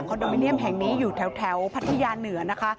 โดมิเนียมแห่งนี้อยู่แถวพัทยาเหนือนะคะ